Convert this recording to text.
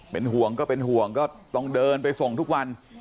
เป็นห่วงก็เป็นห่วงก็ต้องเดินไปส่งทุกวัน